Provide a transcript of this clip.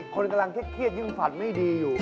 คนกำลังเครียดยิ่งฝันไม่ดีอยู่